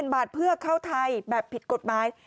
บาทเพื่อเข้าไทยแบบผิดกฎหมาย